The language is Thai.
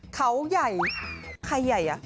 เขาใหญ่ใครใหญ่